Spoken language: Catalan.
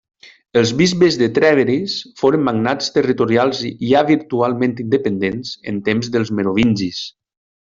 Els bisbes de Trèveris foren magnats territorials ja virtualment independents en temps dels merovingis.